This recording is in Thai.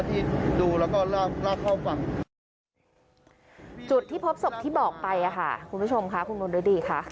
คุณผู้ชมค่ะคุณนุนดีค่ะ